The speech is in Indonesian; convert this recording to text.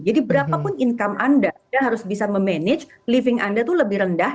jadi berapapun income anda anda harus bisa memanage living anda itu lebih rendah